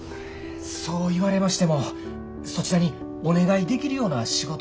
そう言われましてもそちらにお願いできるような仕事はねえ。